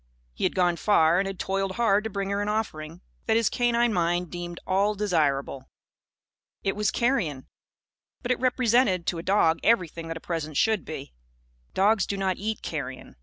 He had gone far and had toiled hard to bring her an offering that his canine mind deemed all desirable. It was carrion; but it represented, to a dog, everything that a present should be. Dogs do not eat carrion.